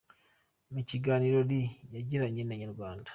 Mu kiganiro Lee yagiranye na Inyarwanda.